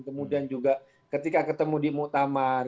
kemudian juga ketika ketemu di muktamar